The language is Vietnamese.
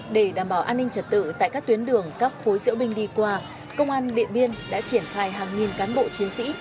để đảm bảo an ninh trật tự tại các tuyến đường các khối diễu binh đi qua công an điện biên đã triển khai hàng nghìn cán bộ chiến sĩ